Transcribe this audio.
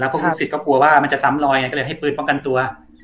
พวกลูกศิษย์ก็กลัวว่ามันจะซ้ำลอยไงก็เลยให้ปืนป้องกันตัว